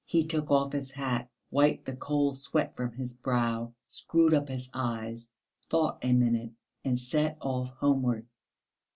He took off his hat, wiped the cold sweat from his brow, screwed up his eyes, thought a minute, and set off homewards.